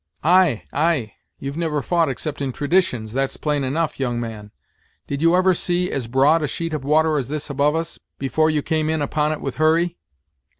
"Ay, ay; you 've never fought except in traditions, that's plain enough, young man! Did you ever see as broad a sheet of water as this above us, before you came in upon it with Hurry?"